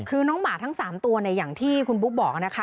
คือน้องหมาทั้ง๓ตัวเนี่ยอย่างที่คุณบุ๊คบอกนะคะ